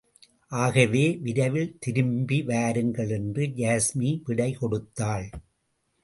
ஆகவே, விரைவில் திரும்பி வாருங்கள்! என்று யாஸ்மி விடை கொடுத்தாள்.